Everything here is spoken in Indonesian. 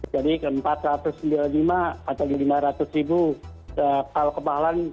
jadi ke empat ratus sembilan puluh lima atau lima ratus kalau kemahalan